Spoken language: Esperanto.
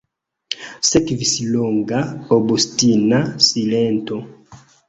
Sekvis longa, obstina silento.